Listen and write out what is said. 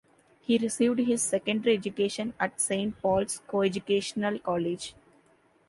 He received his secondary education at Saint Paul's Co-educational College.